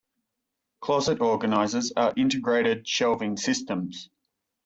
Closet organizers are integrated shelving systems.